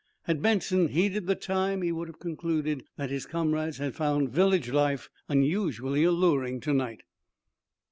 Had Benson heeded the time he would have concluded that his comrades had found village life unusually alluring to night.